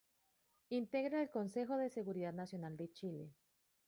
Integra el Consejo de Seguridad Nacional de Chile.